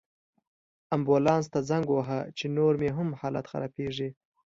امبولانس ته زنګ ووهه، چې نور مې هم حالت خرابیږي